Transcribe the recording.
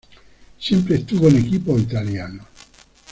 Siempre estuvo en equipos italianos.